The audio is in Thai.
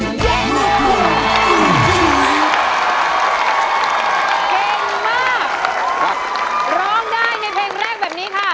ร้องได้ไว้ในเพลงแรกแบบนี้ค่ะ